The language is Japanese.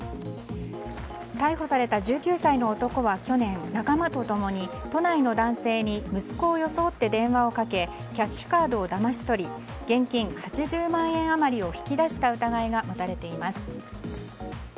逮捕された１９歳の男は去年仲間と共に都内の男性に電話をかけキャッシュカードをだまし取り現金８０万円余りを引き出した疑いが持たれています。